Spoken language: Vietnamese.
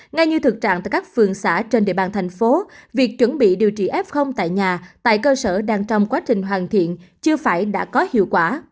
ngay như thực trạng tại các phường xã trên địa bàn thành phố việc chuẩn bị điều trị f tại nhà tại cơ sở đang trong quá trình hoàn thiện chưa phải đã có hiệu quả